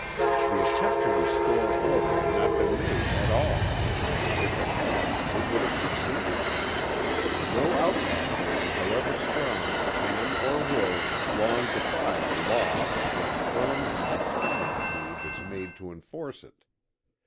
The attempt to restore order had not been made at all; if it had, it would have succeeded. No outlaw band, however strong, can, or will, long defy the law when a firm and determined move is made to enforce it.